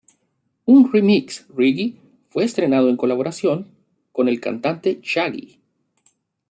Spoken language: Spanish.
Un "remix" reggae fue estrenado en colaboración con el cantante Shaggy.